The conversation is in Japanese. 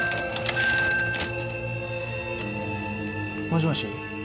もしもし。